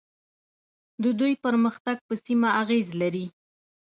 د دوی پرمختګ په سیمه اغیز لري.